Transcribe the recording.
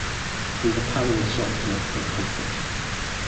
And the padding is soft enough for comfort.